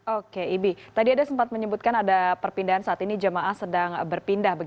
oke ibi tadi ada sempat menyebutkan ada perpindahan saat ini jemaah sedang berpindah